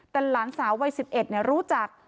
แต่หลานสาววัย๑๑รู้จัก